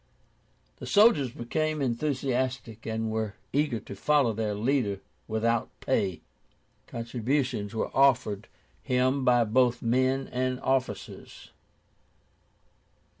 The soldiers became enthusiastic, and were eager to follow their leader without pay. Contributions were offered him by both men and officers.